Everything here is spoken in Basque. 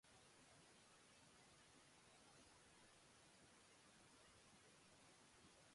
Halaber, modan dago kapsuletako kafea hartzea.